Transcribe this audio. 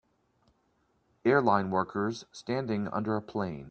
Airline workers standing under a plane.